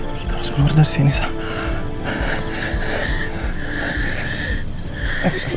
kita harus keluar dari sini sah